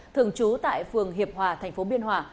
thường trú tại phường hiệp hòa thành phố biên hòa